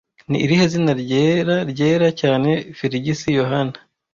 Ni irihe zina ryera ryera cyane Feligisi - Yohana